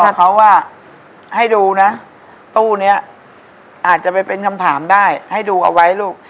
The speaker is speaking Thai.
ถ้าเขาว่าให้ดูนะตู้นี้อาจจะไปเป็นคำถามได้ให้ดูเอาไว้ลูก